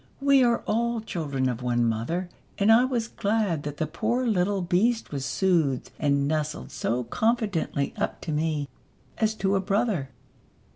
We are all children of one mother, and I was glad that the poor little beast was soothed and nestled so confidingly up to me, as to a brother.